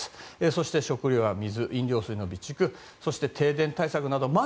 そして食料や飲料水の備蓄や停電対策など。